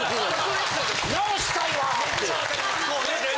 直したいわって。